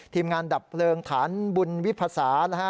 ทีมงานดับเพลิงฐานบุญวิภาษานะฮะ